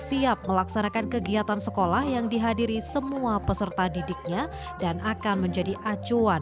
siap melaksanakan kegiatan sekolah yang dihadiri semua peserta didiknya dan akan menjadi acuan